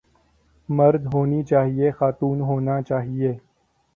مرد ہونی چاہئے خاتون ہونا چاہئے